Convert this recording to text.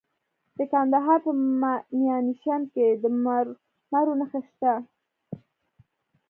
د کندهار په میانشین کې د مرمرو نښې شته.